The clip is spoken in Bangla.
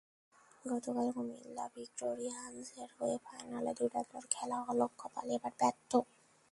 গতবার কুমিল্লা ভিক্টোরিয়ানসের হয়ে ফাইনালে দুর্দান্ত খেলা অলক কাপালি এবার ব্যর্থ।